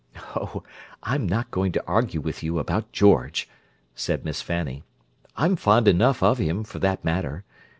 "Oh, I'm not going to argue with you about George!" said Miss Fanny. "I'm fond enough of him, for that matter.